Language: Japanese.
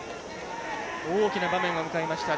大きな場面を迎えました。